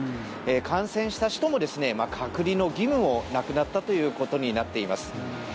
感染した人も隔離の義務もなくなったということになっています。